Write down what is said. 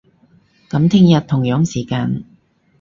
噉聽日，同樣時間